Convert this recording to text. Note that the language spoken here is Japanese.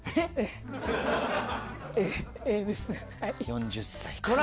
４０歳から。